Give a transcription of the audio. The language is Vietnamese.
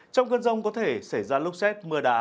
trong cơn rông có thể xảy ra lốc xét mưa đá